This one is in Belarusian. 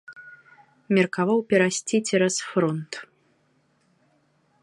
Меркаваў перайсці цераз фронт.